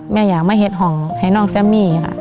แม่อยากแฮ็ดห่อนไห้นองเซอะมี่ค่ะ